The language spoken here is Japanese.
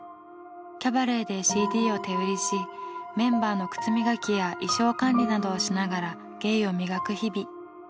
キャバレーでＣＤを手売りしメンバーの靴磨きや衣装管理などをしながら芸を磨く日々。